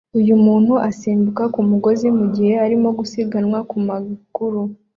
Uyu muntu asimbuka kumusozi mugihe arimo gusiganwa ku maguru